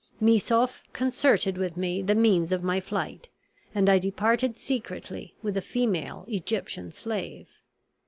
Missouf concerted with me the means of my flight; and I departed secretly with a female Egyptian slave.